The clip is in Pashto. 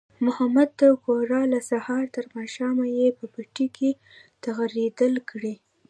محمود ته گوره! له سهاره تر ماښامه یې په پټي کې تغړېدل کړي